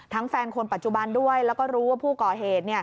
แฟนคนปัจจุบันด้วยแล้วก็รู้ว่าผู้ก่อเหตุ